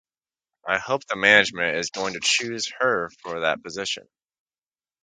I hope the management is going to choose her for that position.